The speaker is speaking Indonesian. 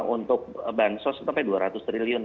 untuk bansos itu sampai dua ratus triliun